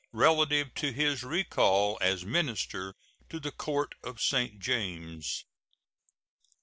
relative to his recall as minister to the Court of St. James.